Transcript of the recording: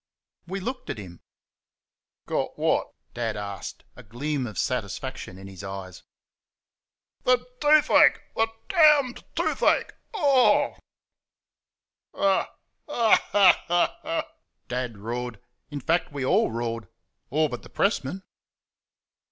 We looked at him. "Got what?" Dad asked, a gleam of satisfaction appearing in his eyes. "The toothache! the d d toothache!...Oh h!" "Ha! ha! Hoo! hoo! hoo!" Dad roared. In fact, we all roared all but the pressman.